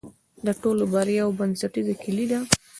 د ټولو بریاوو بنسټیزه کلي ده.